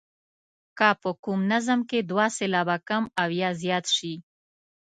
که په کوم نظم کې دوه سېلابه کم او یا زیات شي.